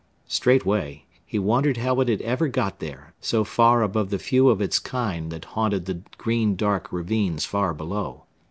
Straightway, he wondered how it had ever got there, so far above the few of its kind that haunted the green dark ravines far below.